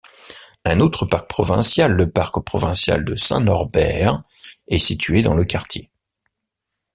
Un autre parc provincial, le parc provincial de Saint-Norbert, est situé dans le quartier.